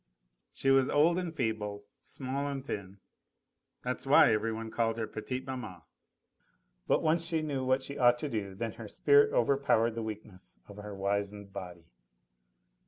She was old and feeble, small and thin that's why everyone called her petite maman but once she knew what she ought to do, then her spirit overpowered the weakness of her wizened body.